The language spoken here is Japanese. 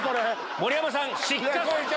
盛山さん失格！